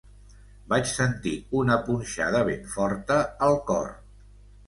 Vaig sentir una punxada ben forta al cor.